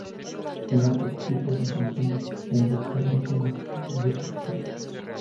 En ambos tipos encontramos edulcorantes naturales y artificiales.